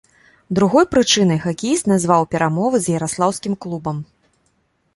Другой прычынай хакеіст назваў перамовы з яраслаўскім клубам.